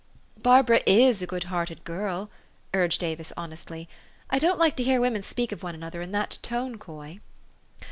"Barbara is a good hearted girl," urged Avis honestly. "I don't like to hear women speak of one another in that tone, Coy."